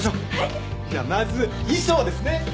じゃあまず衣装ですね。